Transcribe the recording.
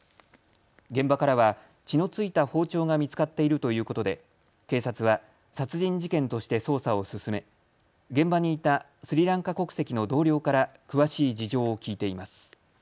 現場からは血のついた包丁が見つかっているということで警察は殺人事件として捜査を進め、現場にいたスリランカ国籍の同僚から詳しい事情を聴いています。